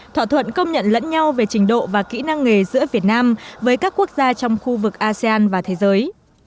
thỏa thuận công nhận lẫn nhau về trình độ và kỹ năng nghề giữa việt nam với các quốc gia trong khu vực asean và thế giới